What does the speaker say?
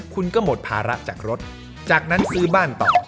คุณก็หมดภาระจากรถจากนั้นซื้อบ้านต่อ